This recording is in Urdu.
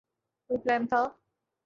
کوئی پلان تھا۔